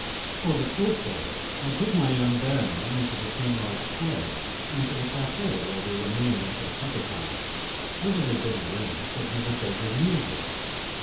For the first day, I took my young baron only to the St. Mark's Square and to the cafe, where we remained until supper time, as it had been arranged that he would take his meals with us.